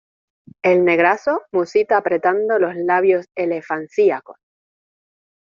el negrazo musita apretando los labios elefancíacos: